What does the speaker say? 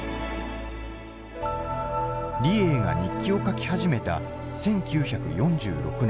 李鋭が日記を書き始めた１９４６年。